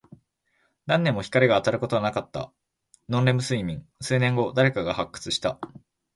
何年も光が当たることなかった。ノンレム睡眠。数年後、誰かが発掘した。